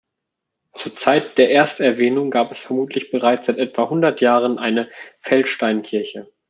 Zur Zeit der Ersterwähnung gab es vermutlich bereits seit etwa hundert Jahren eine Feldsteinkirche.